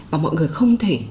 và mọi người không thể